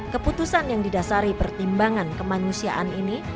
keputusan yang didasari pertimbangan kemanusiaan ini